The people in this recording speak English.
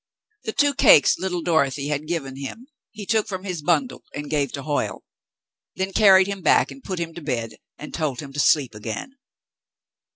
The two cakes little Dorothy had given him he took from his bundle and gave to Hoyle, then carried him back and put him to bed and told him to sleep again.